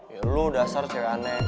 ya lo dasar cewek aneh